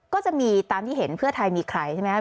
ก็จะมีตามที่เห็นเพื่อไทยมีใครใช่ไหมครับ